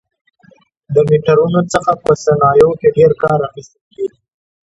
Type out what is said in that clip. له میټرونو څخه په صنایعو کې ډېر کار اخیستل کېږي.